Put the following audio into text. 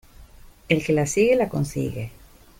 El que la sigue la consigue.